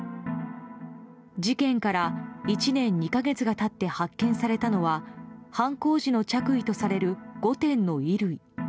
事件から１年２か月が経って発見されたのは犯行時の着衣とされる５点の衣類。